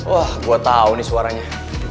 wah gue tau nih suaranya